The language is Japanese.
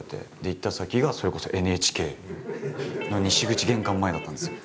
行った先がそれこそＮＨＫの西口玄関前だったんですよ。